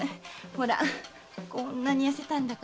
ほらこんなにやせたんだから。